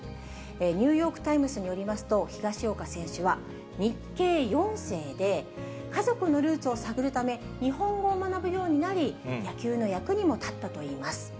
ニューヨークタイムズによりますと、ヒガシオカ選手は日系４世で、家族のルーツを探るため、日本語を学ぶようになり、野球の役にも立ったといいます。